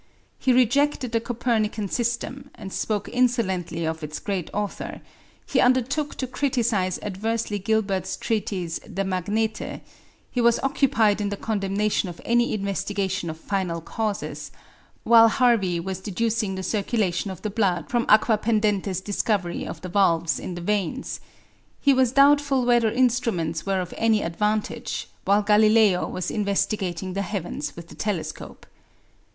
He rejected the Copernican system, and spoke insolently of its great author; he undertook to criticize adversely Gilbert's treatise De Magnete; he was occupied in the condemnation of any investigation of final causes, while Harvey was deducing the circulation of the blood from Aquapendente's discovery of the valves in the veins; he was doubtful whether instruments were of any advantage, while Galileo was investigating the heavens with the telescope.